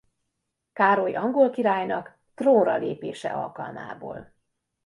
Károly angol királynak trónra lépése alkalmából.